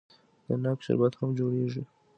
د ناک شربت هم جوړیږي.